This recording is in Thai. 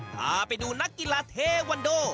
พาไปดูนักกีฬาเทวันโด